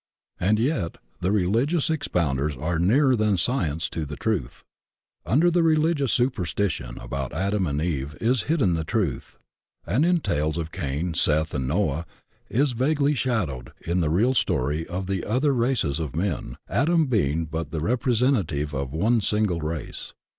And yet the religious expounders are nearer than science to the truth. Under the religious superstition about Adam and Eve is hidden the truth, and in the tales of Cain, Seth and Noah is vaguely shadowed the real story of the other races of men, Adam being but the representative of one sin^e race.